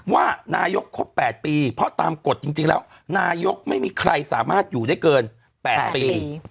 ว่านายกครบ๘ปีเพราะตามกฎจริงแล้วนายกไม่มีใครสามารถอยู่ได้เกิน๘ปี